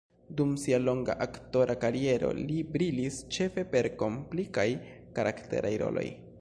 Dum sia longa aktora kariero li brilis ĉefe per komplikaj karakteraj roloj.